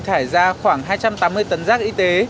thải ra khoảng hai trăm tám mươi tấn rác y tế